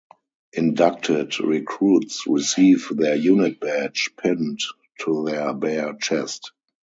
Inducted recruits receive their unit badge pinned to their bare chest.